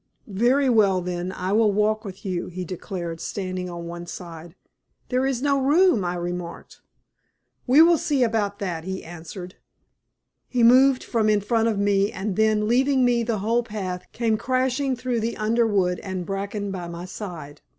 "Very well, then, I will walk with you," he declared, standing on one side. "There is no room," I remarked. "We will see about that," he answered. He moved from in front of me, and then, leaving me the whole path, came crashing through the underwood and bracken by my side.